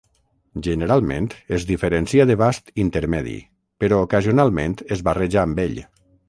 Generalment es diferencia de vast intermedi, però ocasionalment es barreja amb ell.